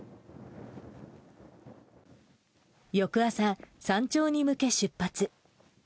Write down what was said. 翌朝、山頂に向け出発。